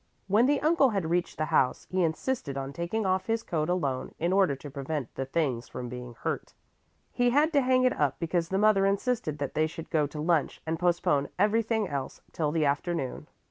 When the uncle had reached the house, he insisted on taking off his coat alone in order to prevent the things from being hurt. He had to hang it up because the mother insisted that they should go to lunch and postpone everything else till the afternoon.